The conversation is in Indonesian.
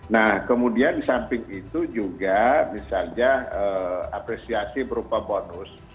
nah kemudian di samping itu juga misalnya apresiasi berupa bonus